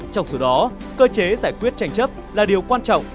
trong số đó cơ chế giải quyết tranh chấp là điều quan trọng